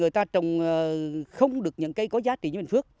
người ta trồng không được những cây có giá trị như bình phước